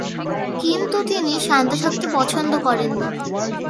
কিন্তু, তিনি শান্ত থাকতে পছন্দ করতেন না।